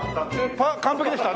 あっ完璧でした。